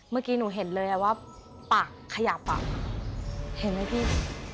เมื่อกี้หนูเห็นเลยว่าปากขยับปากเห็นไหมพี่